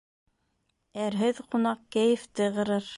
Әрһеҙ ҡунаҡ кәйефте ҡырыр.